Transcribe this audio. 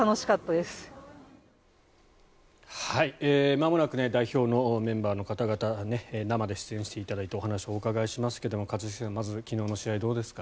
まもなく代表のメンバーの方々に生で出演していただいてお話を伺いますが一茂さん、まず昨日の試合どうですか？